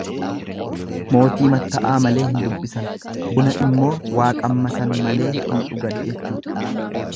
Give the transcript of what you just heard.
Mootii matta'aa malee hin dubbisan, buna immoo waa qammasan malee hin dhugan jechuudha.